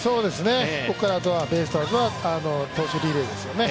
ここからあとはベイスターズは投手リレーですよね。